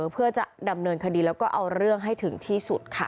เพื่อจะดำเนินคดีแล้วก็เอาเรื่องให้ถึงที่สุดค่ะ